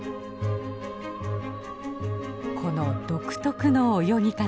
この独特の泳ぎ方